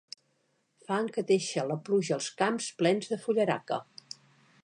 Fang que deixa la pluja als camps plens de fullaraca.